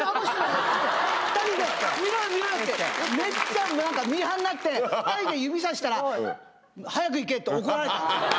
２人で「見ろよ見ろよ」ってめっちゃミーハーになって２人で指さしたら。って怒られた。